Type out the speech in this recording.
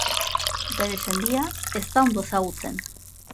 Bere sendia ez da ondo ezagutzen.